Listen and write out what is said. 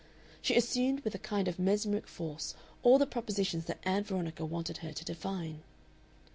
She assumed with a kind of mesmeric force all the propositions that Ann Veronica wanted her to define.